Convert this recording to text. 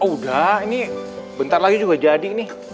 udah ini bentar lagi juga jadi nih